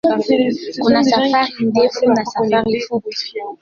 Kuna safari ndefu na safari fupi.